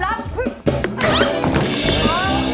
รับ